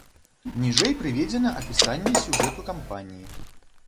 Ніжэй прыведзена апісанне сюжэту кампаніі.